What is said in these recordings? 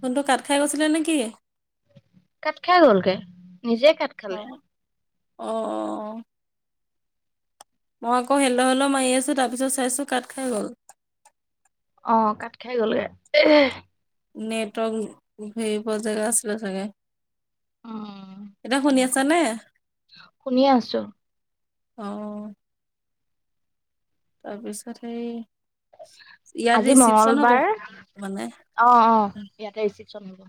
কোনটো কাঠ খাই গৈছিলে নেকি কাত খাই গ'ল কেে নিজে কাত খালে আহ মই আকৌ হেল হেল মাৰি আছোঁ তাৰপিছত চাইছোঁ কাঠ খাই গ'ল অ কাত খাই গ'লগে নেটৱৰ্ক সেইিবোৱা জেগা আছিল চাগে উম এতিয়া শুনি তেনেকুৱা আছ নে শুনি আছো অ তাৰপিছত সেই ইয়াত আজি ৰিচিপচন হ'ব মংগলবাৰ মানে অ অ ইয়াতে ৰিচিপশচন হব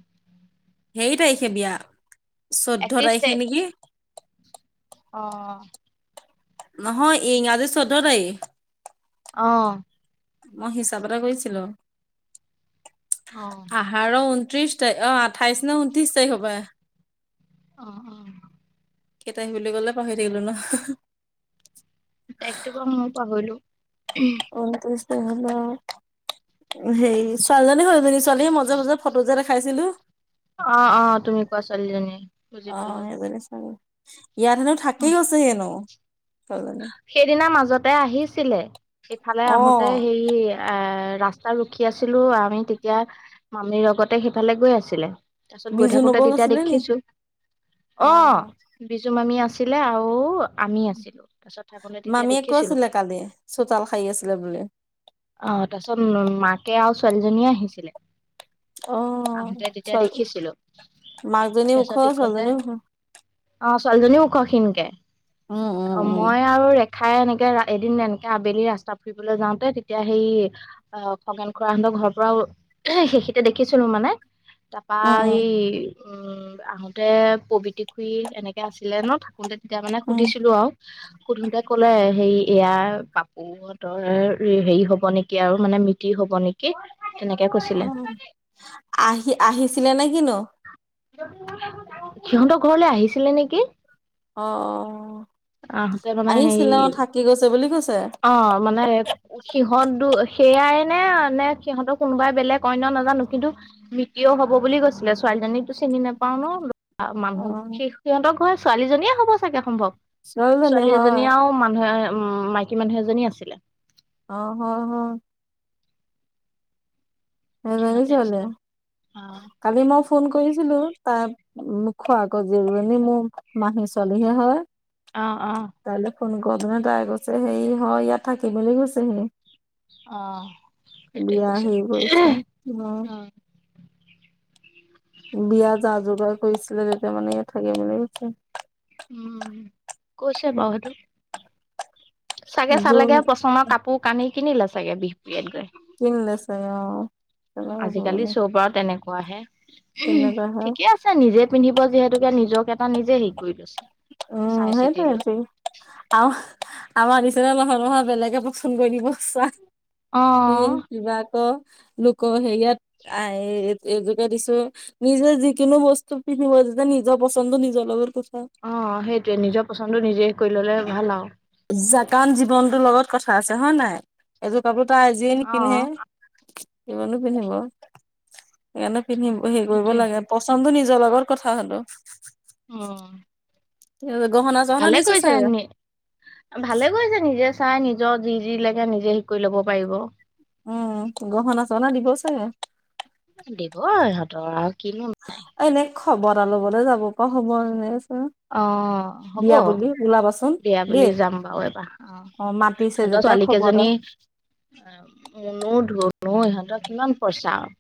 সেইৰি তাৰিখে বিয়া চৈধ্যয় একত্ৰিশ তাৰিখে তাৰিখ নেকি অ নহয় এংাদে চধ নাই আহ মই হিচাপতে কৰিৈছিলো অ আহাৰ ঊনত্ৰিশ তাৰিখ অ আঠাইছ নে ঊনত্ৰিছ তাৰিখ হব অ অ কেেইট আহী বুলি গলে পাহৰি থাকিলো ন তাই একো কম ময় পাহৰিলো অন্ত হল হেই চাল জন ছোৱালী মাজ মজ ফটো যে দেখাইছিলো অ অ তুমি কোৱা ছোৱালীজনী বুজি অ পালো সেইজনী ছোৱালী ইয়াত হেনো থাকেই গৈছে হেনো ছোৱালীজনী সেইদিনা মাজতে আহিছিলে সেইফালে অ আহোতে সে এ ৰাস্তা ৰখি আছিলো আমি তেতিয়া মামীৰ লগতে সেইফালে গৈ আছিলে। তাৰপিছত গৈ বিজু থাকোতে নবৌ তেতিয়া গৈছিলে নি দেখিছো অ, বিজু মামি আছো। আছিলে আৰু আমি আছিলো। তাৰপিছত থাকোতে তেতিয়া মামীয়ে দেখিছিলো কৈছিলে কালি চোতাল খাই আছিলে বুলি। অ, তাৰপিছত মাকে আৰু ছোৱালীজনীয়ে আহিছিলে। অ আহোতে তেতিয়া ছোৱালী দেখিছিলো মাকজনী ওখ তাৰছতখনতে ছোৱালীজনী ওখ অ, ছোৱালীজনী ওখ সনকে। উম উম অ, উম মই আৰু খাই এনেকে, এদিন এনেকে আবেলি ৰাস্তা ফুৰিবলৈ যাওঁতে তেতিয়া সেই অ, খগেন খৰা সক ঘৰ পৰা সেইখিতে দেখিছিলো মানে। তাৰাপা উম এই উম, আহোতে পবতি খুৰী এনেকে আছিলে ন থাকোতে। এতিয়া মানে উম সুধিছিলো আৰু। সুধোতে ক'লে হে এয়াাৰ পাপুহতৰ হেৰি হ'ব নেকি আৰু মানে মিতি হ'ব নেকি। তেনেকে কৈছিলে উ, আহি আহিছিলে নে কিনো। সিহঁতৰ ঘৰলৈ আহিছিলে নেকি। অ', অ'। আহোতে মানে হেৰি আহিছিলে থাকি গৈছে বুলি কৈছে অ, মানে সিহতো সেয়াই নে নে সিহঁতৰ কোনোবাই বেলেগ অনইন্য নাজানো কিন্তু মৃতিও হ'ব বুলি গৈছিলে ছোৱালীজনী চিনি নাপাও ন। অ মানুহ শেষ সিহঁতক হয় ছোৱালীজনীয়ে হ'ব চাগে সম্ভৱ। ছোৱালীজনী ছোৱালী হয় এজনী আৰু মানুহে উ, মাইকী মানুহ এজনী আছিলে। অ, আহ, আহ। স, সিহঁতে জানিছলে আছিলে অ কালি মই ফোন কৰিছিলো তাৰ খোৱাকৌ জিৰণী মোৰ মানি চলিহে হয়। আহ, অ'। তাইলৈ ফোন কৰ দিনে তাই গৈছে হে, হয় ইয়াত থাকি কৈছেহি। অ, সেইটোৱে কৈছে। উ, উম বিয়াত আজোৰত কৰিছিলে তেতিয়া মানে ইয়াত থাকে বুলি কৈছে। উম, কৈচে বহটোও চাগে, জোন চালেগে পচন্দৰ কাপোৰ কানি, কিনিলে চাগে বিহু কিনিলে চাগে অ [unintelligible] আজিকালি তেনেকে সব পৰাও তেনেক হোৱাহে, তেনেকুৱা হয় ঠিকে আছে নিজে পিন্ধিব যিহেতুকে নিজক এটা নিজে হেৰি কৰি লৈছে। চাই উম, চিতি লৈ সেইটো আ আমাৰ পচ মাহৰ মহৰ বেলেগে পচন্দ কৰি দিব অ চান কি'বা আকৌ লোক সেই ইয়াত আহ এইজোকে দিছো নিজে যিকোনো বস্তু পিন্ধিব যে নিজৰ পচন্দ নিজৰ লগৰ কথা অ, সেইটোৱে নিজৰ পচন্দ নিজে কৰি ললে ভাল আৰু। জাকান জীৱনতটো লগত কথা আছে হয়, নাই এযোৰ কাপোৰ আজিয়ে অ নিপিন্ধে, কমানো পিন্ধিব সেইকাৰণে পিন্ধিব হেৰি কৰিব সেইটোৱে লাগে পচন্দ নিজৰ লগত কথা হলো অ'। গহনা চহনা ভালে দিছে কৰিছা চাগে আ, ভালে কৰিছা নিজে চাই নিজৰ যি, যি লাগে নিজে শিক কৰি ল'ব পাৰিব। উম, গহনা, সহনা দিব চাগে। দিব ইহঁতৰক। এনে খবৰ লবলৈ যাব পৰা হ'ব এনে অ, হ'ব বিয়া বুলি ওলাবাচোন বিয়া বুলি দেই যাম বাৰু এবাৰ অ'। মাতিছে ধতৰ যেতিয়া ছোৱালী খবৰ এটা কেইজনী মনো ধ অ', ইহঁতৰ কিমান পইচা আৰু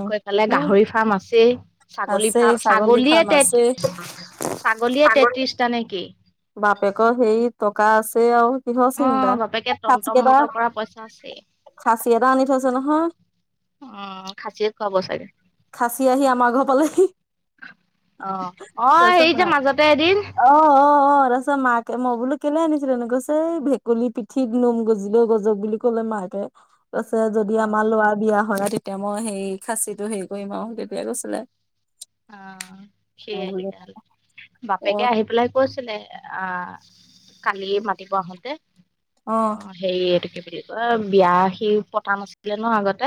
আকৌ এফালে অ গাহৰি ফাৰ্ম আছেই। ছাগলী আছে ফাৰ্ম ছাগলী ছাগলীয়ে ফাৰ্ম আছে তেত্ৰিশ, ছাগলীয়ে তেত্ৰিশটা নেকি? বাপেকৰ হেৰিত টকা আছে আৰু। কিহৰ অ চিন্তা, বাপেকে খাছি তন্ত্ৰ এটা, মন্ত্ৰ কৰা পইচা আছে খাছি এটা আনি থৈছে নহয়। উম খাচীয়ে খুৱাব চাগে খাছি আহি আমাৰ ঘৰ পালেহি। অ [unintelligible] অ হেৰি যে নাই, মাজতে এদিন অ', অ', অ'। তাপাছত মাকে মই বোলো কেলে অনিছিলেনো, কৈছে এই ভেকুলী পিঠিত নোম গজিলেও গজক বুলি ক'লে মাক কে কৈছে যদি অ আমাৰ ল'ৰা বিয়া হয়, আৰু তেতিয়া মই সেই খাছিটো হেৰি কৰিম আৰু তেতিয়া কৈছিলে। অ', মই সেয়াই বোলো তেতিয়াহ'লে, অ বাপেকে আহি পেলাই কৈছিলে আহ, কালিয়ে মাতিব আহোঁতে অ', হেৰি কি বুলি কয় বিয়া সি পতা নাছিলে ন আগতে,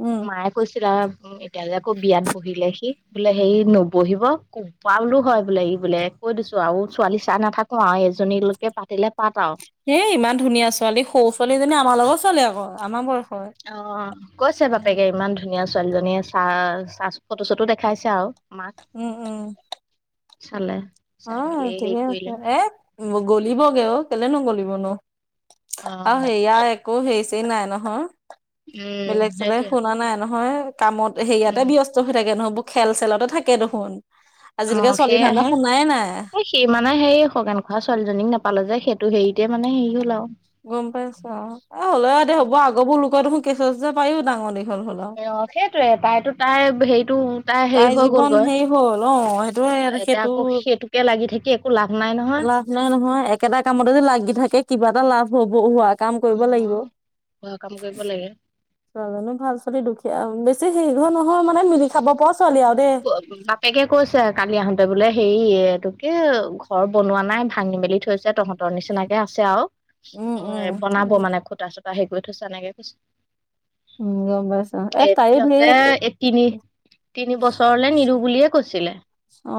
উম মায়ে কৈছিলে উম, এতিয়া যে আকৌ বিয়াত পঢ়িলে সি বোলে হেৰি ন'বহিব [unintelligible] হয়, বোলে ই বোলে কৈ দিছোঁ আৰু ছোৱালী চাই নাথাকোঁ আৰু এইজনী লৈকে পাতিলে পাত আৰু। এ, ইমান ধুনীয়া ছোৱালী সৰু ছোৱালীজনী আমাৰ লগৰ ছোৱালী আকৌ। আমাৰ বয় অ', কৈছে বাপেকে ইমান ধুনীয়া ছোৱালীজনীয়ে চা- চা ফটো চটো দেখাইছে আৰু। মাক উম, উম। চালে। চাই মেলি অ', হেৰি ঠিকে আছে কৰিলে এ, গ'লিবগে অ', কেলে নগ'লিবনো। অ আৰু সেইয়া একো হেৰি চেৰি নাই নহয়। উম বেলেগ চেলেগ সেইটোৱে শুনা নাই ন হয়, কামত হেৰিয়াতে উম ব্যস্ত হৈ থাকে নহয় এবোৰ খেল চেলতে থাকে দেখোন। অ আজিলৈকে ছোৱালী ধান্দা সেয়াহে শুনা এ, সি মানে সেই খগেন খুৰা ছোৱালীজনীক নাপালে যে সেইটো হেৰিতে মানে হেৰি হ'ল আৰু। গম পাইছোঁ আৰু। অ', হ'লেও দে হ'ব আগৰবোৰ লোকোৰ দেখোন কেঁচুৱা চেচুৱা [unintelligible] ডাঙৰ দীঘল হ'ল আৰু অ', সেইটোয়ে তাইতো তাই হেৰি তাই হৈ জীৱন গ'লগৈ হেৰি হ'ল অ', সেইটোৱে, এতিয়া সেইটো আকৌ সেইটোকে লাগি থাকি একো লাভ নাই নহয়। লাভ নাই নহয়, একেটা কামত যে লাগি থাকে কিবা এটা লাভ হ'ব হোৱা কাম কৰিব লাগিব, অ'। ঘৰৰ কাম কৰিব লাগে। ছোৱালীজনীও ভাল ছোৱালী দুখীয়া বে [unintelligible] নহয় মানে মিলি খাব পৰা ছোৱালী আৰু দেই। বাপেকে কৈছে কালি আহোঁতে বোলে হেৰি [unintelligible] টোকে ঘৰ বনোৱা নাই ভাঙি মেলি থৈছে তহঁত তৰ নিচিনাকে আছে আৰু উম, বনাব মানে খুঁটা চুটা হেৰি কৰি থৈছে এনেকে কৈছে। উম গম পাইছো এ, তাইও সিঁহতে ধেৰ এই তিনি- তিনি বছৰ লে নিদিওঁ বুলিয়ে কৈছিলে। অ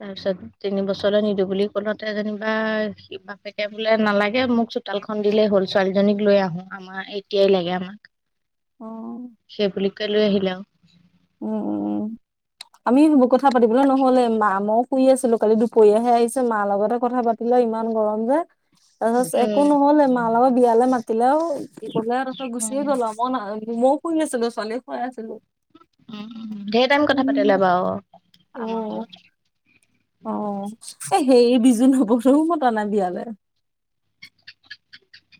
তাৰপিছত তিনবছৰলে নিদিওঁ বুলি ক'লতে যেনিবা বাপেকে বোলে নালাগে মোক চোতাল খন দিলেই হ'ল ছোৱালীজনীক লৈ আহো আমাৰ এতিয়াই লাগে আমাক। উম সেইবুলি কয় লৈ আহিলে আৰু। উম, উম, উম। আমি কথা পাতিবলৈ নহ'লে মা মই শুই আছিলোঁ কালি দুপৰীয়াহে আহিছে, মাৰ লগতে কথা পাতি ইমান গৰম যে, তাৰপাছ একো উম। নহ'লে মা লগত বিয়ালে মাতিলে আৰু দুপৰীয়া তাপাছত গুচিয়ে উম। গ'ল আৰু মই ন মইও শুই আছিলোঁ, ছোৱালীক শুৱাই আছিলোঁ। উম, ধেৰ টাইম কথা পাতিলে বাৰু। [inaudible] অ অ এ, হেৰি বিজুনবৌ হতৰো মতা নাই বিয়ালে।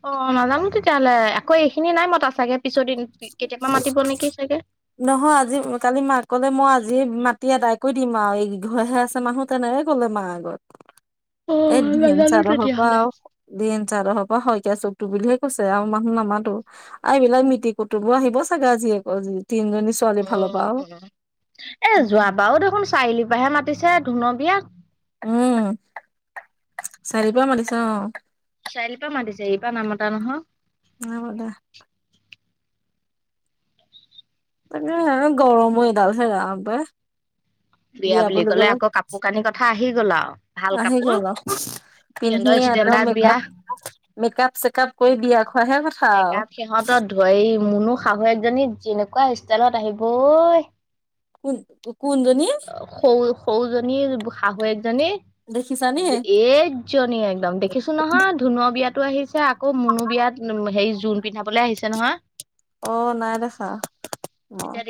অ', নাজানো তেতিয়াহ'লে আকৌ এইখিনি নাই মতা চাগে পিছৰদিন নহয়, আজি কালি মাকলে মই আ জি মাতি আদায় কৰি দিম আৰু এইকি ঘৰহে আছে মানুহ তেনেকে ক'লে মাৰ আগত। অ', নাজানো তেতিয়াহ'লে। [inaudible] চাদৰ পৰা শইকীয়া চকু বুলিহে কৈছে আৰু মানুহ নামাতো আৰু এইবিলাক মিট [unintelligible] আহিব চাগে আজি আকৌ আজি। [unintelligible] যোৱা বাৰো দেখোন চাৰিআলিৰ পৰা হে মাতিছে ধোনুৰ বিয়াত। উম, চাৰিআলিৰ পৰা মাতিছে অ'। চাৰিআলিৰ পৰা মাতিছে। এইবাৰ নাই মাটা নহয়। অ [unintelligible] গৰম হৈ [unintelligible] [unintelligible] বিয়া বুলি ক'লে আকৌ কাপোৰ কানি কথা আহি গ'ল আৰু ভাল আহি কাপোৰ গ'ল আৰু পিন্ধি। সিহঁতৰ ষ্টেণ্ডাৰ্ড বিয়া। মেকআপ চেকাপ কৰি বিয়া খোৱাৰ হে কথা আৰু। মুনুৰ শাহুৱেক জনী যেনেকুৱা ষ্টাইলত আহিব। [unintelligible] সৰুজনীৰ শাহুৱেক জনী। দেখিছানে দেখিছো নহয় ধুনু বিয়াত এইজনী একদম। বিয়াতো আহিছে আৰু মুনুক জোৰোণ পিন্ধাবলৈও আহিছে নহয়। অ নাই দেখা মই এতিয়া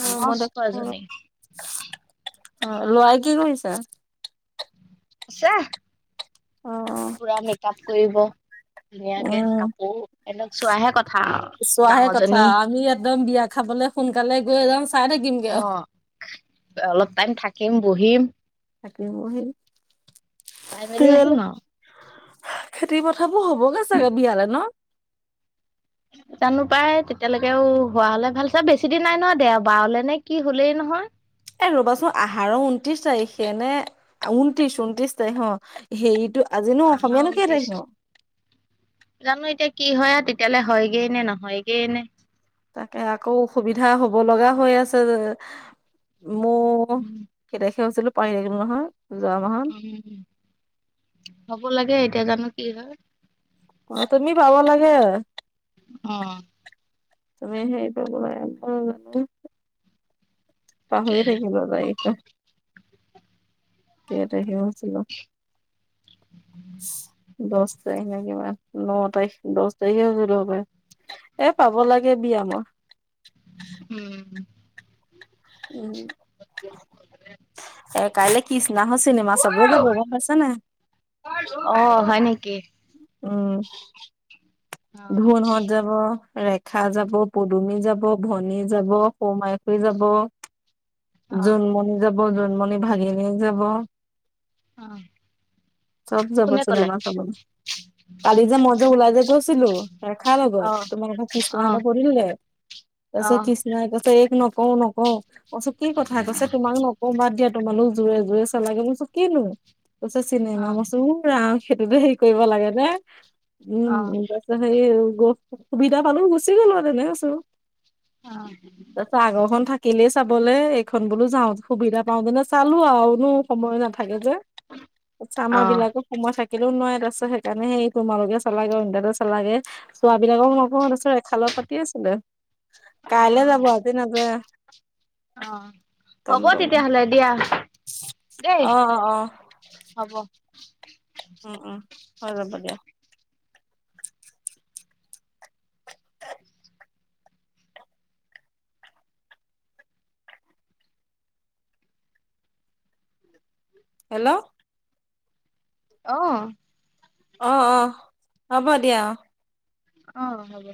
অ মই দেখা মস্ত এইজনী। লৰাই কি কৰিছে? আছে। অ'। পোৰা মেকআপ কৰিব। ধুনীয়াকে কাপোৰ ইহঁতক চোৱাহে কথা আৰু চোৱাহে কথা ডাঙৰজনী। আমি একদম বিয়া খাবলে সোনকালে গৈ চাই থাকিমগৈ অ আৰু। অলপ টাইম থাকিম, বহিম। থাকিম বহিম। চাই মেলি আহিম বিয়ালৈ আৰু খেতি পথাৰবোৰ হবগৈ চাগে? [inaudible] জানো পাই তেতিয়ালৈকেও হোৱা হলে ভাল চা বেছি দিন নাই নহয় দে বাৰলে নে কি হলেই জানো পায়, তেতিয়ালৈকে হোৱা হলে ভাল আছিল। বেছি দিন নাই নহয়, দেওবাৰ নে কি হলেই। এ ৰ'বাচোন আহাৰ ঊনত্ৰিশ তাৰিখে নে ঊনত্ৰিশ ঊনত্ৰিশ তাৰিখ অ হেৰিতটো। এ ৰবাসুন হেৰিটো আহাৰৰ উনত্ৰিশ তাৰিখ নে? অ উনটিছ তাৰিখ। জানো এতিয়া অহা উনটিছ। নো? কি হয় তেতিয়ালৈকে, হয়ে বা নহয়। তাতেআকৌ অসুবিধা হব লগা হৈ আছে যে। মোৰ উম কেই তাৰিখে হৈছিল পাহৰি থাকিলো নহয়। যোৱা মাহত। ও হব লাগে এতিয়া জানো কি হয়। অ' তুমি পাব লাগে। উম। [unintelligible] পাহৰি তাকেহে থাকিবা [unintelligible] কেই তাৰিখে হৈছিল বা। দশ তাৰিখ নে কিবা, ন তাৰিখ দহ তাৰিখেই হৈছিলোঁ হপাই। এই পাব লাগে দিয়া মই। উম। উম। কাইলৈ কিষ্ণাহত চিনেমা চাবলৈ যাব। গম পাইছা নে নাই। অ। হয় নেকি উম অ ধুন হৈত যাব। ৰেখা যাব, পদুমি যাব, ভনী যাব, সৰুমাই খুৰী যাব। অ জোনমণি যাব, জোনমণিৰ ভাগিনীয়েক যাব। অ চব যাব কোনে ক'লে চিনেমা চাবলৈ। কালি মই যে ওলাই গৈছিলো ৰেখাৰ লগত, অ অ কিষ্ণাহতক সুধিলো। তাৰ অ অ পিছত কিষ্ণাই কৈছে এইক কও নকওঁ কচো কি কথা কৈছে তোমাক নকওঁ বাদ দিয়া তোমালোক জোৰে জোৰে চালাগে বছো কিনো কৈছে চিনেমা মই কৈছো ঔ ৰাম সেইটোতো হেৰি কৰিব লাগে। [unintelligible] অ অ সুবিধা পালোঁ গুচি গ'লো আৰু, তেনে আছোঁ অ তাৰপাছত আগৰখন থাক এনে চাবলে, এইখন বোলো যাওঁ, সুবিধা পাওঁতেনে চালো আৰুনো সময় নাথাকে যে, তাৰপিছত অ আমাৰ বিলাকে সময় থাকিলেও নোৱাৰে, তাৰপিছত সেইকাৰণে সেই তোমালোকে চালাগেই, ইহঁতেও চালেগেই, চোৱবিলাকক নকওঁ, তাৰপিছত ৰেখা লগত পাতি আছিলোঁ। অ কাইলৈ যাব, আজি নাযায়। অ', হ'ব টমটমত তেতিয়াহ'লে দিয়া। দেই অ', অ', অ'। হ'ব। উম উম, হৈ যাব দিয়া। হেল্ল'। অহ। অ', অ', হ'ব দিয়া অহ। অ', হ'ব।